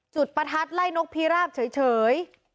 ประทัดไล่นกพิราบเฉย